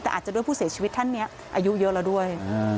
แต่อาจจะด้วยผู้เสียชีวิตท่านนี้อายุเยอะแล้วด้วย